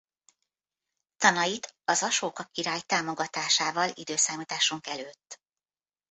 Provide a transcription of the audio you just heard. Tanait az Asóka király támogatásával i.e.